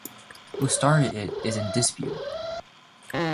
Who started it is in dispute.